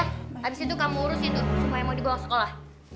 habis itu kamu urusin tuh supaya mau dibawa ke sekolah